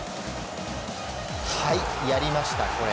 やりました、これ。